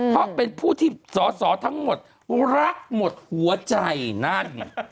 เพราะเป็นผู้ที่สอสอทั้งหมดรักหมดหัวใจนั่น